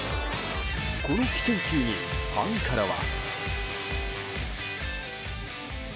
この危険球に、ファンからは。